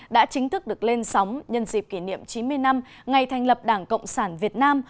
đã chính thức được lên sóng nhân dịp kỷ niệm chín mươi năm ngày thành lập đảng cộng sản việt nam